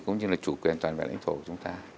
cũng như là chủ quyền toàn bệnh